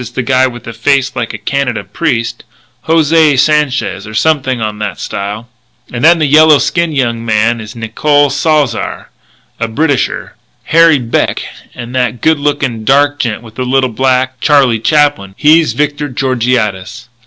Sanchez is the guy with a face like a Canada priest José Sanchez or something on that style. And then the yellow skinned young man is Nicole Salzar; the Britisher, Harry Beck; and that good lookin' dark gent with a little black Charlie Chaplin, he's Victor Georgiades."